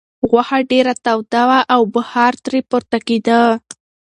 غوښه ډېره توده وه او بخار ترې پورته کېده.